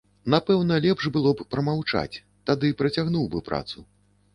Напэўна, лепш было б прамаўчаць, тады працягнуў бы працу.